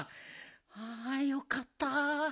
あよかった。